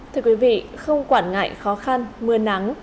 thưa quý vị không quản ngại khó khăn mưa nắng